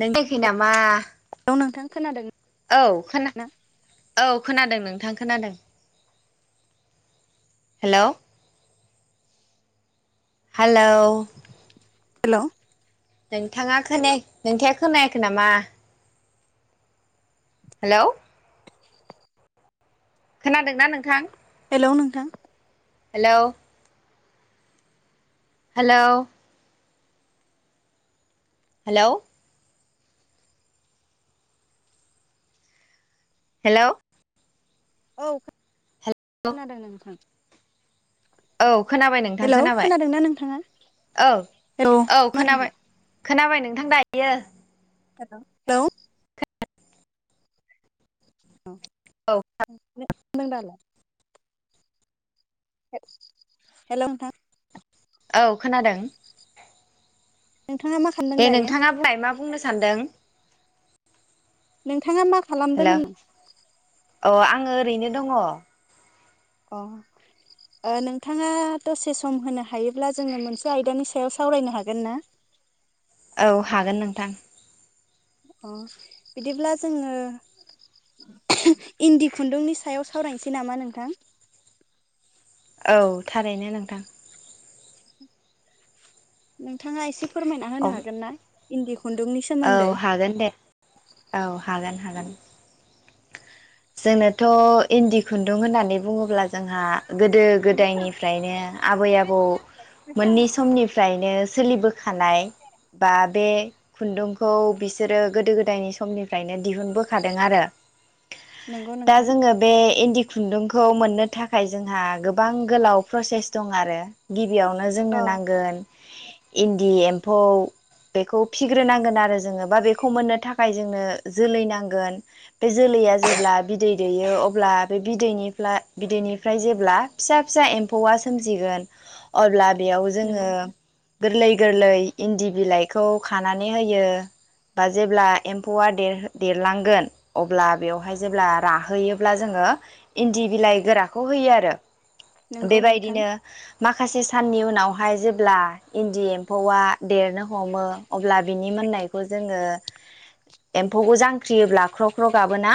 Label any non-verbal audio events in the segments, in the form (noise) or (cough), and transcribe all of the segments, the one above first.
नों (unintelligible) नामा हेलौ नोंथां खोनादों औ खोना ना औ खोनादों नोंथां। खोनादों हेलौ। Hello hello. नोंथाङा खोने नोंथाङा खोनायाखै नामा? हेलौ खोनादोंना नोंथां? हेलौ नोंथां। हेलौ हेलौ हेलौ हेलौ औ खोनादों नोंथां। औ खोनाबाय नोंथां हेलौ खोनाबाय खोनादोंना नोंथाङा औ औ मा नोंथाङा खोनाबाय। खोनाबाय नोंथां दायो। हेलौ (unintelligible) नों दानो हे-हेल' नोंथां। औ खोनादों। नोंथाङा मा खालामदों दे दायो नोंथाङा बुंलाय मा बुंनो सानदों। नोंथ नोंथाङा मा खालामदों हेलौ होन अ आङो ओरैनो दङ। अ अ नोंथाङा दसे सम होनो हायोब्ला जोङो मोनसे आयदानि सायाव सावरायनो हागोन ना? औ हागोन नोंथां। अ बिदिब्ला जोङो इन्दि खुन्दुंनि सायाव सावरायनोसै नामा नोंथां? औ थारैनो नोंथां। नोंथाङा एसे फोरमायना होनो हागोन ना? इन्दि खुन्दुंनि औ सोमोन्दै हागोन दे औ हागोन हागोन। जोंनोथ' इन्दि खुन्दुं होननानै बुङोब्ला जोंहा गोदो गोदायनिफ्रायनो आबै आबौ मोननै समनि फ्रायनो सोलिबोखानाय बा बे खुन्दुंखौ बिसोरो गोदो गोदायनि समनिफ्रायनो दिहुनबोखादों आरो। नंगौ दा नोंथां जोङो बे इन्दि। खुन्दुंखौ मोननो थाखाय जोंहा गोबां गोलाव प्रसेस दं आरो गिब गबियावनो जोंनो नांगोन। इन्दि एम्फौ बेखौ फिग्रोनांगोन आरो जोङो बा बेखौ मोननो थाखाय जोंनो जोलै नांगोन। बे जोलैया जेब्ला बिदै दैयो अब्लाबे बेदैनि बिदैनिफ्राय जेब्ला फिसा फिसा एम्फौआ सोमजिगोन अब्ला। बेयाव नंगौ जोङो। गोरलै गोरलै इन्दि बिलाइखौ खानानै होयो बा जेब्ला एम्फौआ देर देरलांगोन। अब्ला बेवहाय जेब्ला राहोयोब्ला जोङो इन्दि बिलाइ गोराखौ होयो आरो। नंगौ नोंथां बेबायदिनो माखासे साननि उनावहाय जेब्ला इन्दि एम्फौआ देरनो हमो अब्ला बिनि मोननायखौ जोङो एम्फौखौ जांख्रियोब्ला क्रख क्र गाबोना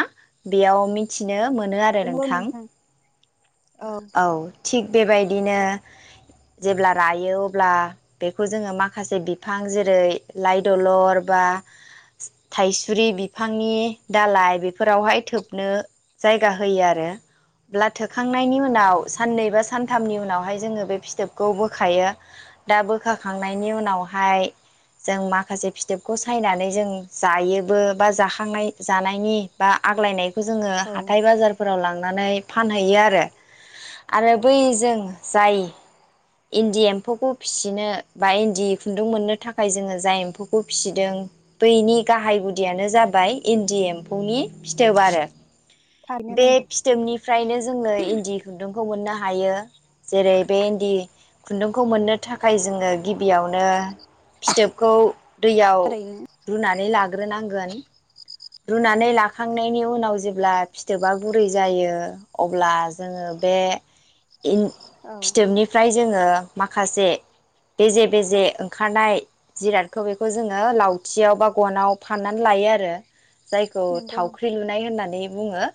बेयाव मिथिनो मोन मोनो आरो नोंथां औ थिग बेबायदिनो जेब्ला रायो अब्ला बेखौ जोङो माखासे बिफां जेरै लाइ दलर बा थाइसुरि बिफांनि दालाय बेफोरावहाय थोबनो जायगा होयो आरो अब्ला थोखांनायनि उनाव साननै बा सानथामनि उनावहाय जोङो बे फिथोबखौ बोखायो दा बोखाखांनायनि उनावहाय जों माखासे फिथोबखौ सायनानै जों जायोबो बा जाखांनाय जानायनि बा आग्लायनाय जोङो औ हाथाय बाजारफोराव लाङो लनानै फानहैयो आरो आरो बैजों जाय इन्दि एम्फौखौ फिसिनो बा इन्दि खुन्दुं मोननो थाखाय जोङो जाय एम्फौखौ फिसिदों बैनि गाहाय गुदियानो जाबाय इन्दि एम्फौनि फिथोब आरो। थारैनो बे नोंथां फिथोबनिफ्रायनो जोङो इन्दि खुन्दुंखौ मोननो हायो। हायो। जेरै बे इन्दि। खुन्दुंखौ मोननो थाखाय जोङो गिबियावनो। फिथोबखौ दैयाव थारैनो रुनानै लागोन। लाग्रोनांगोन। रुनानै लाखांनायनि उनाव जेब्ला फिथोबा गुरै जायो अब्ला जोङो बे इन औ फिथोबनिफ्राय जोङो माखासे बेजे बेजे ओंखारनाय जिरादखौ बेखौ जोङो लावथियाव बा गनाव फाननानै लायो आरो। जायखौ नंगौ थावख्रि लुनाय होननानै। बुङो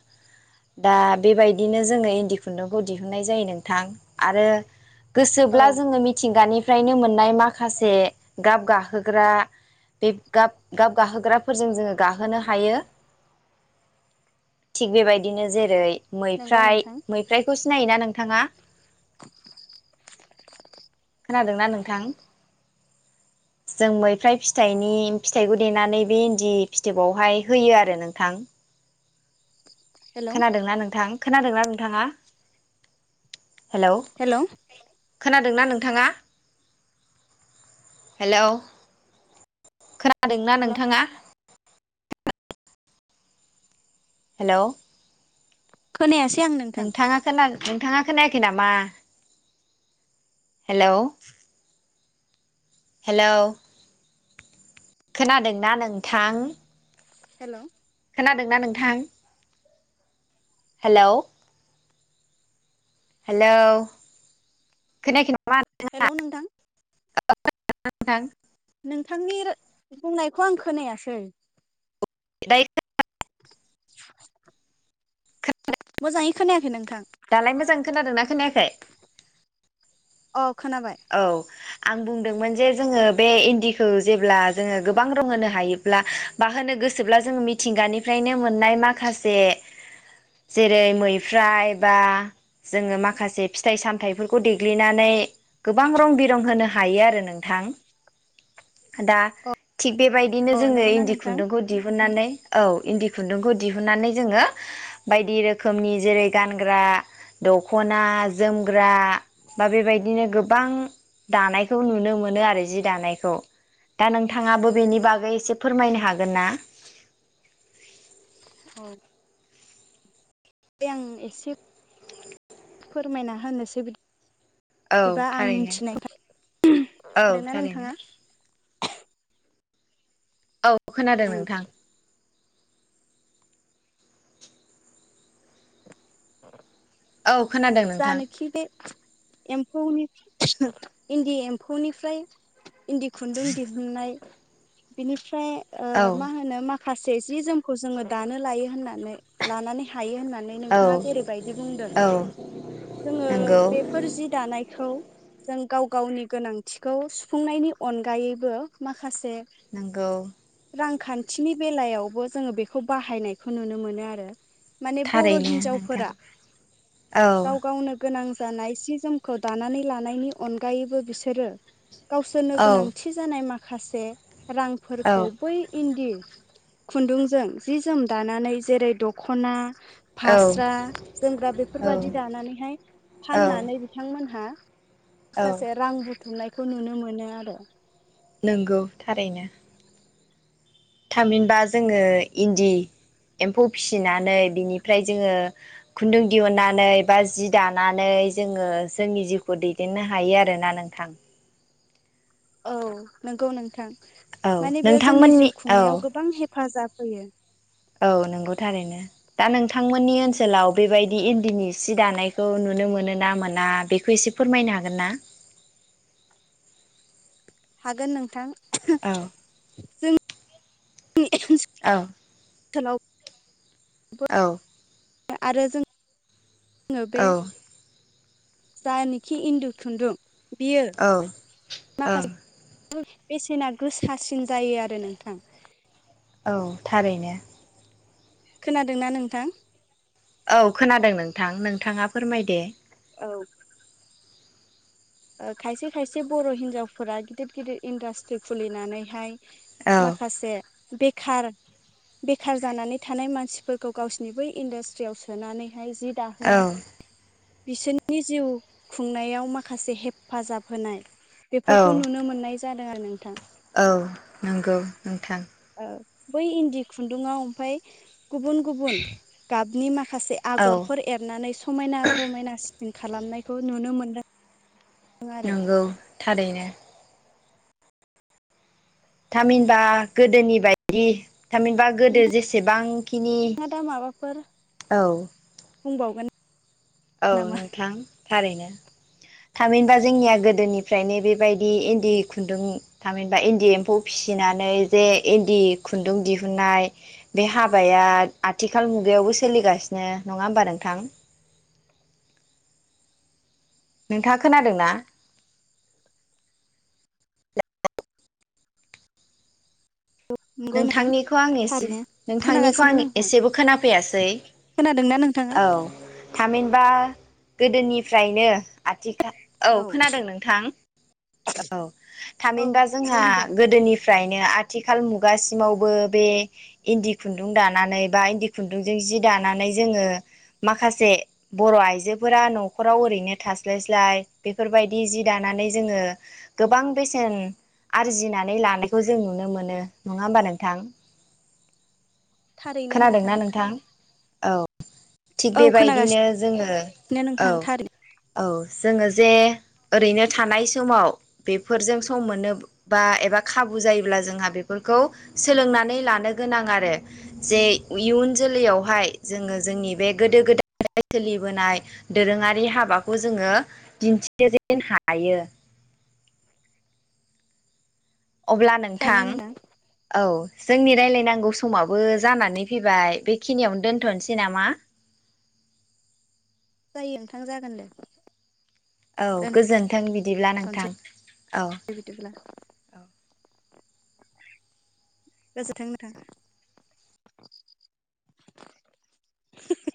दा बेबायदिनो जोङो इन्दि खुन्दुंखौ दिहुननाय जायो नोंथां आरो। नोंथां औ गोसोब्ला जोङो मिथिंगानि फ्रायनो मोननाय माखासे गाब गाहोग्रा बे ग गाब गाहोग्राफोरजों जोङो। गाहोनो हायो थिग बेबायदिनो जेरै नंगौ मैफ्राय नोंथां मैफ्रायखौ सिनायोना नोंथाङा खोनादों। ना नोंथां जों मैफ्राय फिथाइनि फिथाइखौ देनानै बे इन्दि फिथोबावहाय होयो आरो नोंथां। हेलौ खोनादोंना नोंथां खोनादोंना नोंथाङा हेलौ खोनादोंना नोंथाङा हेलौ खोनादोंना हेलौ नोंथाङा हेलौ खोनाया सै नोंथाङा खोना नोंथाङा खोनायाखै नामा हेलौ हेलौ खोनादोंना नोंथां हेल' खोनादोंना नोंथां हेलौ हेलौ खोनायाखै नामा हेलौ नोंथां (inaudible) नोंथांनि बुंनायखौ आं खोनायासै (unintelligible) (inaudible) मोजाङै खोनायाखै नों दालाय मोजां खोनादोंना खोनायाखै अ खोनाबाय औ आं बुंदोंमोन जे जोङो बे इन्दिखौ जेब्ला जोङो गोबां रं होनो हायोब्ला बा होनो गोसोब्ला जोङो मिथिंगानिफ्रायनो मोननाय माखासे जेरै मैफ्राय बा जोङो माखासे फिथाइ सामथायाइफोरखौ देग्लिनानै गोबां रं बिरं होनो हायो आरो नोंथां दा थिग बेबायदिनो अ जोङो नंगौना इन्दि नोंथां खुन्दुंखौ दिहुननानै औ इन्दि खुन्दुंखौ दिहुननानै जोङो बायदि रोखोमनि जेरै गानग्रा दखना जोमग्रा बा बेबायदिनो गो बां दानायखौ नुनो मोनो आरो जि दानायखौ दा नोंथाङाबो बेनि बागै एसे फोरमायनो हागोन ना औ दे आं एसे फोरमायना होनोसै बिदि औ थारैनो औ खोनादोंना थारैनो नोंथाङा औ खोनादों नोंथां (unintelligible) औ खोनादों नोंथां जानोखि बे एम्फौनि इन्दि एम्फौनिफ्राय इन्दि खुन्दुं दिहुननाय बिनिफ्राय औ मा होनो मा खासे जि जोमखौ जोङो दानो लायो होननानै लानानै हायो होननानै औ नोंथाङा जेरैबायदि बुंदों औ जोङो नंगौ बेफोर जि दानाय औ जों गाव गावनि गोनांथिखौ सुफुंनायनि अनगायैबो माखा माखासे नंगौ रां खान्थिनि बेलायावबो जोङो बेखौ बाहायनायखौ नुनो मोनो आरो माने बर' थारैनो नोंथां हिन्जावफोरा औ गाव गावनो गोनां जानाय सि जोमखौ दानानै लानायनि अनगायैबो बिसोरो गावसोरनो औ गोनांथि जानाय मा माखासे रांफोरखौ औ बै इन्दि खुन्दुंजों जि जोम दानानै जेरै दखना औ फास्रा जोमग्रा औ बेफोरबादि जानानैहाय औ फाननानै बिथांमोनहा औ माखासे रां रु थुमनायखौ नुनो मोनो आरो नोंगौ थारैनो थामहिनबा जोङो इन्दि एम्फौ फिसिनानै बिनिफ्राय जोङो खुन्दुं दिहुनन्नानै बा जि दानानै जोङो जोंनि जिउखौ दैदेननो हायो आरोना नोंथां औ नोंगौ नोंथां औ माने बेयो जोंनि नोंथांमोननि जिउ औ खुंनायाव गोबां हेफाजाब होयो औ नंगौ थारैनो दा नोंथांमोननि ओनसोलाव बेबायदि इन्दिनि सि दानायखौ नुनो मोनो ना मोना बेखौ एसे फोरमायनो हागोन ना हागोन नोंथां औ औ सोलाव औ आरो जों बे औ जायानोखि इन्दु खुन्दुं बियो औ ओं माखासे बेसेना गोसासिन जायो आरो नोंथां औ थारैनो खोनादोंना नोंथां? औ खोनादों नोंथां नोंथाङा फोरमायदे औ खायसे खायसे बर हिनजावफोरा गिदिर गिदिर इन्डास्ट्रि खुलिनानैहाय औ माखासे बेखार बेखार जानानै थानाय मानसिफोरखौ गावसोरनि बै इन्डास्ट्रियाव सोनानै हाय जि औ दाहोनाय बिसोरनि जिउ खुंनायाव माखासे हेफाजाब होनाय औ बेफोरखौ नुनो मोननाय जादों आरो नोंथां। औ नोंगौ नोंथां। ओ बै इन्दि खुन्दुङाव ओमफाय गुबुन गुबुन गाब निमा माखासे औ आगरफोर एरनानै समायना रमायना जों खालामनायखौ नुनो मोनदों। आरो नंगौ थारैनो। थामहिनबा गोदोनि बायदि। थामहिनबा गोदो जेसेबांखिनि नोंथाङा दा माबाफोर औ। बुंबावगोन। औ नामा नोंथां। थारैनो थामहिनबा जोंनिया गोदोनिफ्रायनो बेबायदि इन्दि खुन्दुं थामहिनबा इन्दि एम्फौ फिसिनानै जे इन्दि खुन्दुं दिहुननाय बे हाबाया आथिखाल मुगायावबो सोलिगासिनो नङा होमबा नोंथां। नोंथाङ खोनादों ना? नंगौ नोंथां नोंथांनिखौ आं एसे थारैनो नोंथांनिखौ खोनागासिनो आं नोंथां एसेबो खोनाफैयासै खोनादोंना नोंथाङा औ थामहिनबा। गोदोनिफ्रायनो। आथिखाल औ खोनादों नोंथां औ औ थामहिनबा जोंहा बुं दे गोदोनि। फ्रायनो आथिखाल मुग। खुगासिमावबो बे इन्दि खुन्दुं दानानै बा इन्दि खुन्दुंजों जि दानानै जोङो माखासे बर आइजोफोरा नखराव ओरैनो थास्लायस्लाय बेफोरबायदि जि दानानै जोङो गोबां बेसेन आरजिनानै लानायखौ जों नुनो मोनो। नङा होमबा नोंथां। थारैनो नोंथां। औ। थिग औ बेबायदिनो खोनागासिनो जोङो औ नोंथां थारैनो औ। जोङो जे ओरैनो थानाय समाव बेफोरजों सम मोननो बा एबा खाबु जायोब्ला जोंहा बेफोरखौ सोलोंनानै लानो गोनां आरो जे इयुन जोलैयावहाय जोङो जोंनि। बे गोदो गोदायफ्राय सोलिबोनाय दोरोङारि हाबाखौ जोङो दिन्थिजेन हायो। अब्ला नोंथां औ जोंनि राय्लायनां नांगौ समावबो जानानै फैबाय बेखिनियावनो दोनथनोसै नामा? जायो नोंथां जागोन दे औ गोजोन्थों बिदिब्ला नोंथां दोनथ'नोसै औ बिदिब्ला औ गोजोनथों नोथां